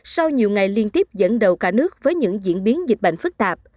sau nhiều ngày liên tiếp dẫn đầu cả nước với những diễn biến dịch bệnh phức tạp